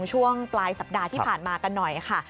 ช่วงปลายสัปดาห์ที่ผ่านมากันหน่อยค่ะ